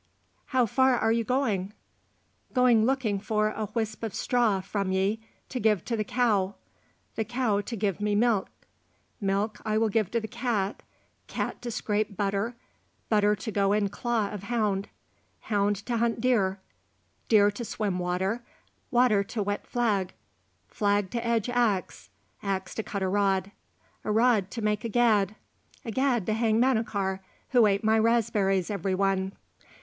"How far are you going?" "Going looking for a whisp of straw from ye to give to the cow, the cow to give me milk, milk I will give to the cat, cat to scrape butter, butter to go in claw of hound, hound to hunt deer, deer to swim water, water to wet flag, flag to edge axe, axe to cut a rod, a rod to make a gad, a gad to hang Manachar, who ate my raspberries every one."